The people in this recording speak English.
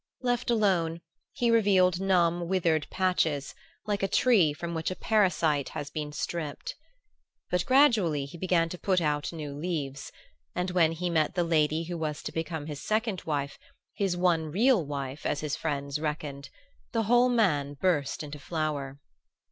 Left alone, he revealed numb withered patches, like a tree from which a parasite has been stripped. But gradually he began to put out new leaves; and when he met the lady who was to become his second wife his one real wife, as his friends reckoned the whole man burst into flower.